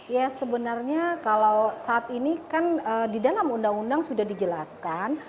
ya sebenarnya kalau saat ini kan di dalam undang undang sudah dijelaskan